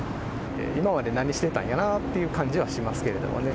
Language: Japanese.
今まで何してたんやろっていう感じはしますけれどもね。